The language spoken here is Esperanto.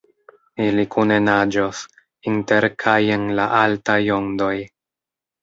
Ili kune naĝos, inter kaj en la altaj ondoj.